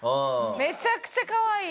めちゃくちゃかわいい。